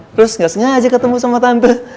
terus nggak sengaja ketemu sama tante